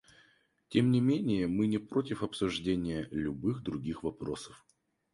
Тем не менее, мы не против обсуждения любых других вопросов.